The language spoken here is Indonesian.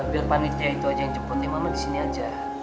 biar panitia itu aja yang jemput ya mama di sini aja